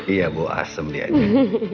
iya bau asem dia aja